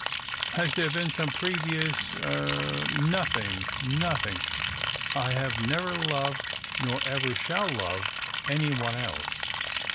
" Has there been some previous — er ?"" Nothing, nothing. I have never loved, nor ever shall love, any one else."